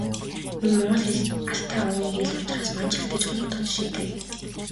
Мөн Монгол хэл Алтай овгийн хэл учраас Манж хэлтэй ч холбогдох жишээтэй.